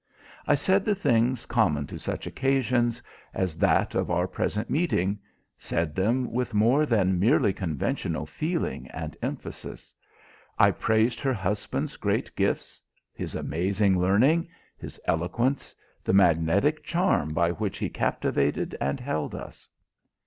I said the things common to such occasions as that of our present meeting; said them with more than merely conventional feeling and emphasis. I praised her husband's great gifts, his amazing learning, his eloquence, the magnetic charm by which he captivated and held us.